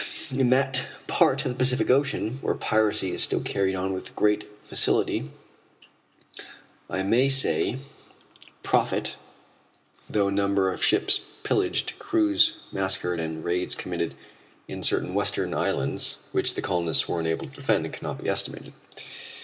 In that part of the Pacific Ocean where piracy is still carried on with great facility, and I may say, profit, the number of ships pillaged, crews massacred, and raids committed in certain western islands which the colonists were unable to defend, cannot be estimated.